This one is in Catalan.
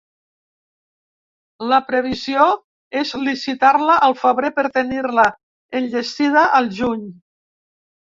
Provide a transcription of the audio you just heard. La previsió es licitar-la al febrer per tenir-la enllestida al juny.